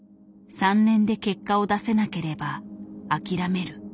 「３年で結果を出せなければ諦める」。